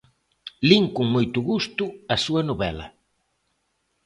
Lin con moito gusto a súa novela.